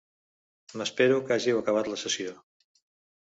M'espero que hàgiu acabat la sessió.